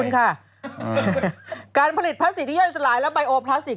การผลิตพลาสติกที่ย่อยสลายและใบโอพลาสติก